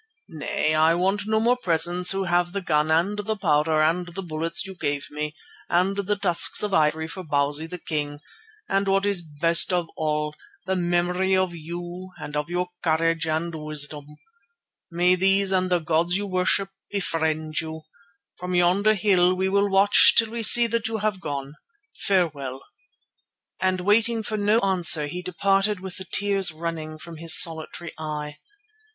Nay, I want no more presents who have the gun and the powder and the bullets you gave me, and the tusks of ivory for Bausi the king, and what is best of all, the memory of you and of your courage and wisdom. May these and the gods you worship befriend you. From yonder hill we will watch till we see that you have gone. Farewell," and waiting for no answer, he departed with the tears running from his solitary eye.